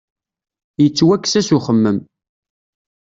Yettwakkes-as uxemmem.